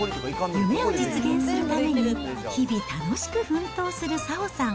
夢を実現するために、日々楽しく奮闘する早穂さん。